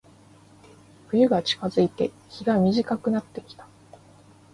冬が近づいて、日が短くなってきた。